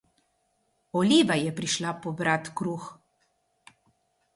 Oliva je prišla pobrat kruh.